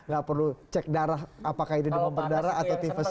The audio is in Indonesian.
gak perlu cek darah apakah ini demam perdara atau tifas